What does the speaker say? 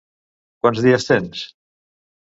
Quants dies tens?